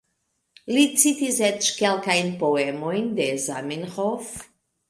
Li citis eĉ kelkajn poemojn de Zamenhof.